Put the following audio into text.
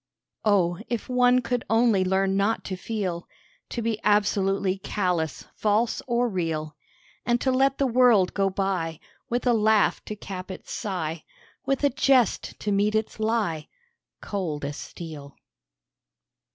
Oh! if one could only learn not to feel; To be absolutely callous, false or real; And to let the world go by, With a laugh to cap its sigh, With a jest to meet its lie, Cold as steel.